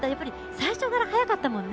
最初から速かったもんね。